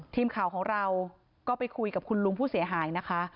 ทีมข่าวของเราก็ไปคุยกับคุณลุงผู้เสียหายนะคะ